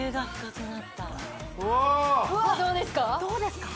どうですか？